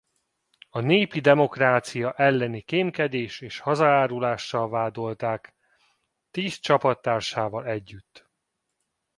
A népi demokrácia elleni kémkedés és hazaárulással vádolták tíz csapattársával együtt.